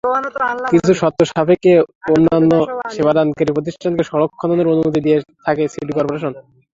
কিছু শর্ত সাপেক্ষে অন্যান্য সেবাদানকারী প্রতিষ্ঠানকে সড়ক খননের অনুমতি দিয়ে থাকে সিটি করপোরেশন।